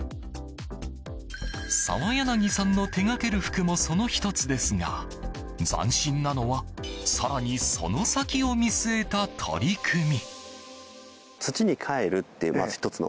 澤柳さんの手掛ける服もその１つですが斬新なのは更にその先を見据えた取り組み。